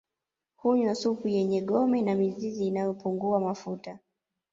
Hunywa supu yenye gome na mizizi inayopungua mafuta